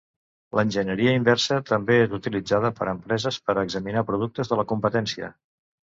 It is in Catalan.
L'enginyeria inversa també és utilitzada per empreses per a examinar productes de la competència.